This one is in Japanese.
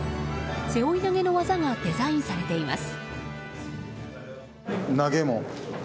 背負い投げの技がデザインされています。